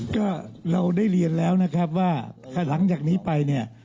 ก็เราได้เรียนแล้วนะครับว่าหลังจากนี้ไปเนี่ย